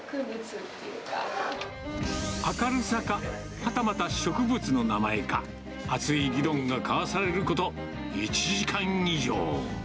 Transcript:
明るさか、はたまた植物の名前か、熱い議論が交わされること１時間以上。